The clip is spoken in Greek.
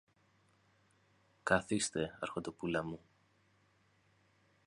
Καθίστε, αρχοντόπουλά μου.